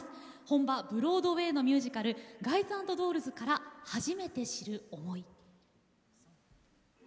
本場ブロードウェイのミュージカル「ガイズ＆ドールズ」から「初めて知る想い」。